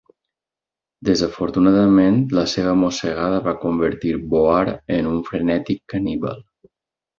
Desafortunadament la seva mossegada va convertir Boar en un frenètic caníbal.